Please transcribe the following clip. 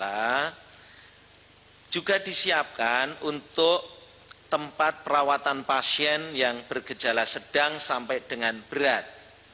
di sini juga diperlukan tempat perawatan pasien yang bergejala sedang sampai dengan berat